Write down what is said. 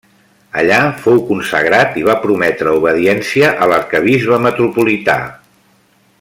Allà, fou consagrat i va prometre obediència a l'arquebisbe metropolità.